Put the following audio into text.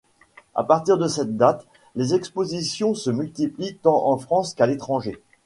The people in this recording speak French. À partir de cette date, les expositions se multiplient tant en France qu'à l'étranger.